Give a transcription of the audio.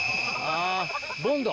ボンド。